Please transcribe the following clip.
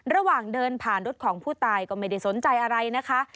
ระหว่างเดินผ่านรถของผู้ตายก็ไม่ได้สนใจอะไรนะคะ